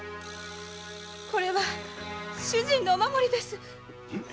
これは主人のお守りです。